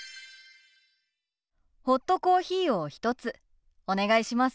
ホットコーヒーを１つお願いします。